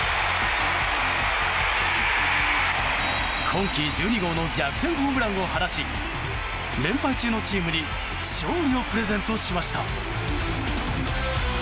今季１２号の逆転ホームランを放ち連敗中のチームに勝利をプレゼントしました。